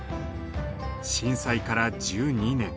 震災から１２年。